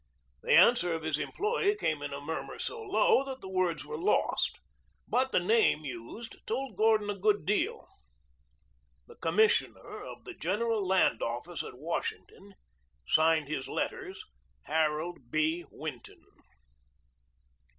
The answer of his employee came in a murmur so low that the words were lost. But the name used told Gordon a good deal. The Commissioner of the General Land Office at Washington signed his letters Harold B. Winton.